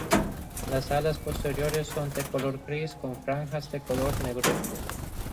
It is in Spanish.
Las alas posteriores son de color gris con franjas de color negruzco.